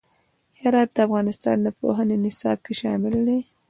هرات د افغانستان د پوهنې نصاب کې شامل دی.